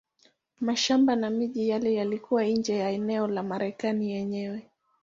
Mashamba na miji yale yalikuwa nje ya eneo la Marekani yenyewe.